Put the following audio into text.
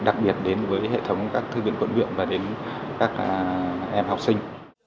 đặc biệt đến với hệ thống các thư viện quận huyện và đến các em học sinh